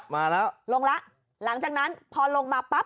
มาแล้วลงแล้วหลังจากนั้นพอลงมาปั๊บ